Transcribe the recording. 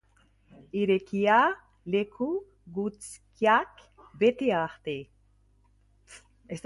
Irekia, leku guztiak bete arte.